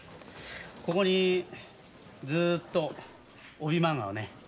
ここにずっと帯まんがをね